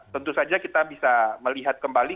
tentu saja kita bisa melihat kembali